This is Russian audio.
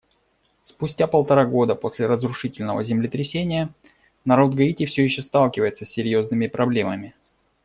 Спустя полтора года после разрушительного землетрясения народ Гаити все еще сталкивается с серьезными проблемами.